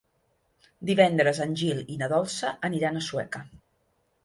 Divendres en Gil i na Dolça aniran a Sueca.